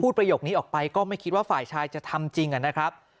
ประโยคนี้ออกไปก็ไม่คิดว่าฝ่ายชายจะทำจริงนะครับ